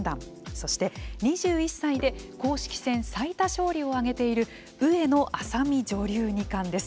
そして２１歳で公式戦最多勝利を挙げている上野愛咲美女流二冠です。